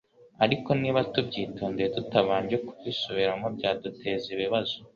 ariko niba tubyitondeye tutabanje kubisubiramo byaduteza ibibazo,